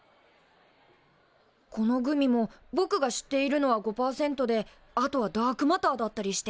このグミもぼくが知っているのは５％であとはダークマターだったりして。